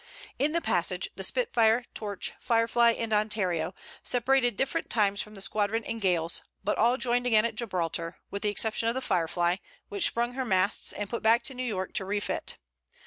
In the passage, the Spitfire, Torch, Firefly and Ontario, separated different times from the squadron in gales, but all joined again at Gibraltar, with the exception of the Firefly, which sprung her masts, and put back to New York to refit.